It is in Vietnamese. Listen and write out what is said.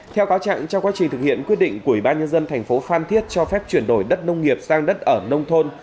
theo cáo trạng trong quá trình thực hiện quyết định của ủy ban nhân dân thành phố phan thiết cho phép chuyển đổi đất nông nghiệp sang đất ở nông thôn